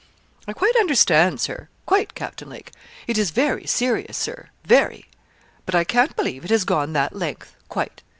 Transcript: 'I quite understand, Sir quite, Captain Lake. It is very serious, Sir, very; but I can't believe it has gone that length, quite.